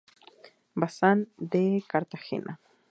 Bazán de Cartagena.